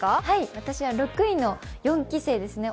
私は６位の四期生ですね。